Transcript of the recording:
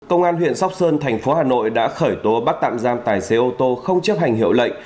công an huyện sóc sơn thành phố hà nội đã khởi tố bắt tạm giam tài xế ô tô không chấp hành hiệu lệnh